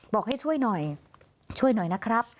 บอกให้ช่วยหน่อยช่วยหน่อยนะครับ